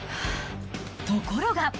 ところが。